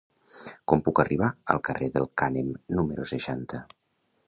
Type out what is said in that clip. Com puc arribar al carrer del Cànem número seixanta?